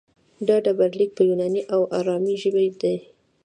دا ډبرلیک په یوناني او ارامي ژبه دی